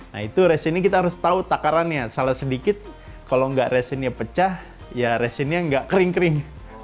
nah itu resinnya kita harus tahu takarannya salah sedikit kalau nggak resinnya pecah ya resinnya nggak kering kering